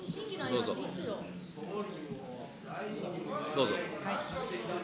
どうぞ。